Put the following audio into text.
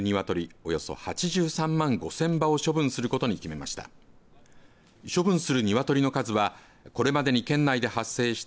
およそ８３万５０００羽を処分することに決めました。